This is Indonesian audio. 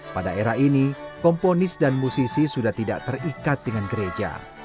pada era ini komponis dan musisi sudah tidak terikat dengan gereja